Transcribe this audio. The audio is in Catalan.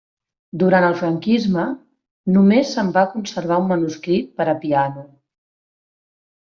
Durant el Franquisme només se'n va conservar un manuscrit per a piano.